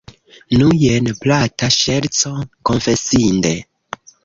Nu, jen plata ŝerco, konfesinde.